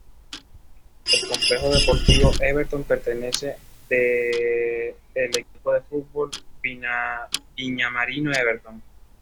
El Complejo Deportivo Everton pertenece de el equipo de fútbol viñamarino Everton.